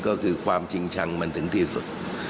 ก็คือความจริงชังมันถึงที่สุด